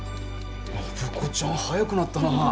暢子ちゃん早くなったなあ。